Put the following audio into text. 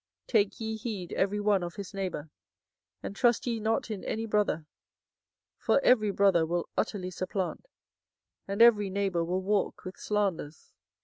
24:009:004 Take ye heed every one of his neighbour, and trust ye not in any brother: for every brother will utterly supplant, and every neighbour will walk with slanders.